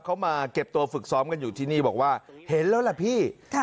เขามาเก็บตัวฝึกซ้อมกันอยู่ที่นี่บอกว่าเห็นแล้วล่ะพี่